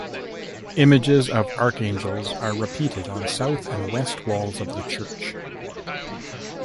Images of archangels are repeated on south and west walls of the church.